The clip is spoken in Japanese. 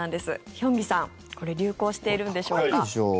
ヒョンギさん、これ流行しているんでしょうか。